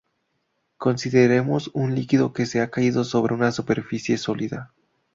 Consideremos un líquido que ha caído sobre una superficie sólida.